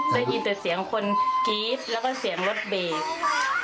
ได้ยินแต่เสียงคนกรี๊ดแล้วก็เสียงรถเบรก